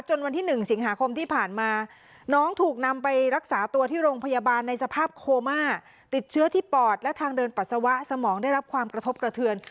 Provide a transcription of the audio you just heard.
วันที่๑สิงหาคมที่ผ่านมาน้องถูกนำไปรักษาตัวที่โรงพยาบาลในสภาพโคม่าติดเชื้อที่ปอดและทางเดินปัสสาวะสมองได้รับความกระทบกระเทือน